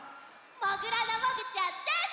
もぐらのもぐちゃんです！